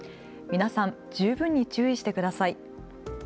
皆さん、十分に注意してください。